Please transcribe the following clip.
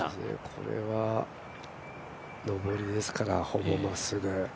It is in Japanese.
これは上りですから、ほぼまっすぐ。